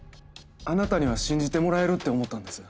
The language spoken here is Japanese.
あなたには信じてもらえるって思ったんです。